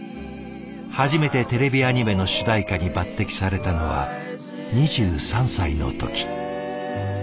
初めてテレビアニメの主題歌に抜てきされたのは２３歳の時。